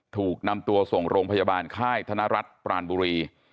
ถูกนำตัวส่งโรงพยาบาลค่ายธนรัฐปรานบุรี